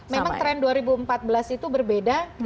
memang tren dua ribu empat belas itu berbeda